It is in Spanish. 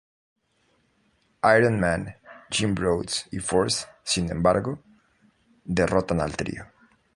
Iron Man, Jim Rhodes y Force, sin embargo, derrotan al trío.